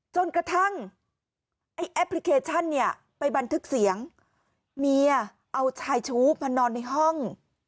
จนกระทั่งไอ้แอปพลิเคชันเนี่ยไปบันทึกเสียงเมียเอาชายชู้มานอนในห้อง